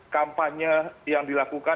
kampanye yang dilakukan